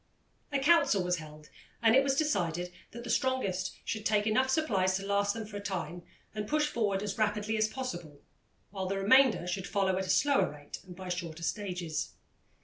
A council was held, and it was decided that the strongest should take enough supplies to last them for a time and push forward as rapidly as possible, while the remainder should follow at a slower rate and by shorter stages.